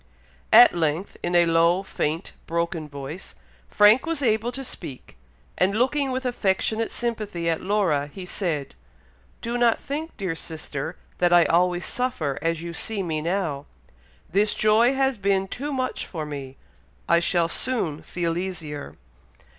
At length, in a low, faint, broken voice, Frank was able to speak, and looking with affectionate sympathy at Laura, he said, "Do not think, dear sister, that I always suffer as you see me now. This joy has been too much for me. I shall soon feel easier."